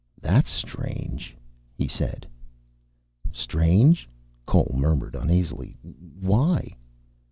"That's strange," he said. "Strange?" Cole murmured uneasily. "Why?"